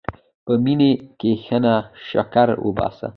په مننې کښېنه، شکر وباسه.